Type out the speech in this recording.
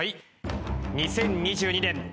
２０２２年